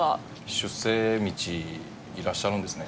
出世道いらっしゃるんですね。